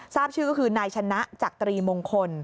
ทราบชื่อก็คือนายชนะจักรีมงคล